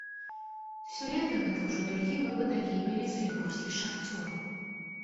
Сёлета гэта ўжо другі выпадак гібелі салігорскіх шахцёраў.